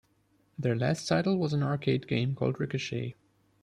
Their last title was an arcade game called Ricochet.